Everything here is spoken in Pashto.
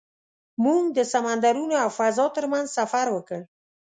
موږ د سمندرونو او فضا تر منځ سفر وکړ.